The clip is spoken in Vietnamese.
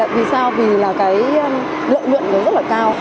vì sao vì là cái lợi nhuận nó rất là cao